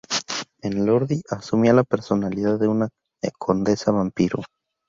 En Lordi, asumía la personalidad de una condesa vampiro.